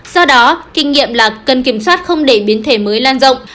do đó kinh nghiệm là cần kiểm soát không để biến thể mới lan rộng